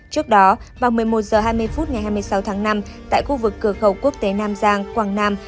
trước đó vào một mươi một h hai mươi phút ngày hai mươi sáu tháng năm tại khu vực cửa khẩu quốc tế nam giang quảng nam